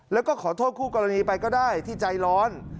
แล้วก็ขอโทษคู่กรณีไปก็ได้ที่ใจร้อน